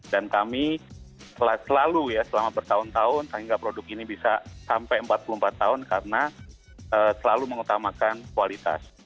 dan kami selalu ya selama bertahun tahun sehingga produk ini bisa sampai empat puluh empat tahun karena selalu mengutamakan kualitas